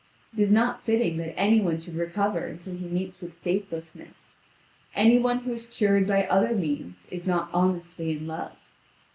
It is not fitting that any one should recover until he meets with faithlessness. Any one who is cured by other means is not honestly in love.